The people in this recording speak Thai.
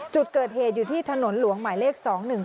จุดเกิดเหตุอยู่ที่ถนนหลวงหมายเลข๒๑๒